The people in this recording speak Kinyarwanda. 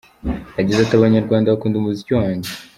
Yagize ati “Abanyarwanda bakunda umuziki wanjye.